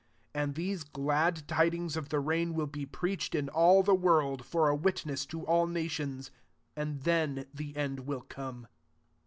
14 And these glad tidings of the reign will be preached in all the world, lor a witness to all nations; and then the end will come.